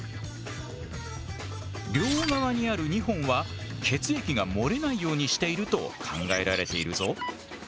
両側にある２本は血液が漏れないようにしていると考えられているぞ。